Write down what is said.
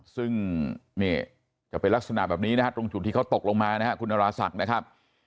ซึ่งนี่จะเป็นลักษณะแบบนี้นะฮะตรงจุดที่เขาตกลงมานะครับคุณนราศักดิ์นะครับ